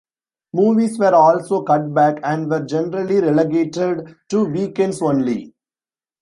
Movies were also cut back, and were generally relegated to weekends only.